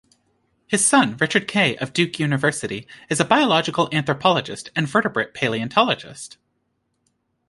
His son Richard Kay of Duke University is a biological anthropologist and vertebrate paleontologist.